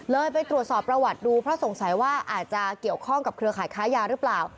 ไปตรวจสอบประวัติดูเพราะสงสัยว่าอาจจะเกี่ยวข้องกับเครือข่ายค้ายาหรือเปล่า